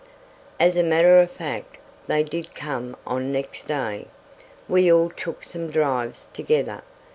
As a matter of fact, they did come on next day. We all took some drives together.